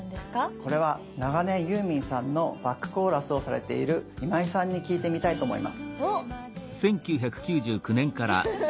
これは長年ユーミンさんのバックコーラスをされている今井さんに聞いてみたいと思います。